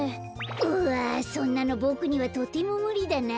うわそんなのボクにはとてもむりだな。